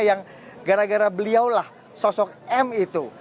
yang gara gara beliaulah sosok m itu